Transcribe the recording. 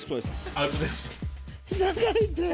アウトです。